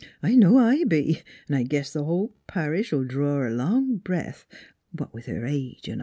"I know I be; an' I guess th' hull parish '11 dror a long breath what with her age 'n' all.